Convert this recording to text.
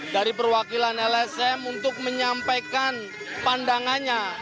dari perwakilan lsm untuk menyampaikan pandangannya